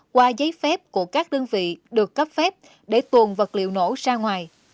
qua giấy phép của các đơn vị được cấp phép để tuồn vật liệu nổ ra ngoài